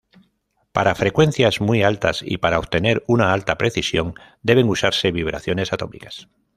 Para frecuencias muy altas y para obtener una alta precisión, deben usarse vibraciones atómicas.